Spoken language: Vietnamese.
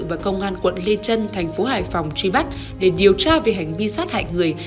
và công an quận lê trân thành phố hải phòng truy bắt để điều tra về hành vi sát hại người